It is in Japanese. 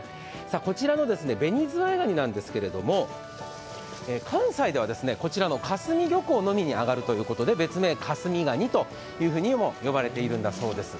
こちらの紅ズワイガニなんですけれども関西ではこちらの香住漁港のみに揚がるということで別名・香住ガニとも呼ばれているんだそうです。